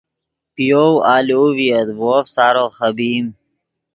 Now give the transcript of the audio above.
پے یَوْ آلوؤ ڤییت ڤے وف سارو خبئیم